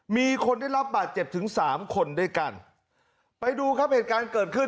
มีคนได้รับบาดเจ็บถึงสามคนด้วยกันไปดูครับเหตุการณ์เกิดขึ้น